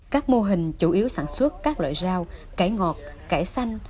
các mô hình chủ yếu sản xuất các loại rau cải ngọt cải xanh